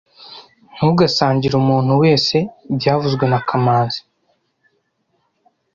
Ntugasangire umuntu wese byavuzwe na kamanzi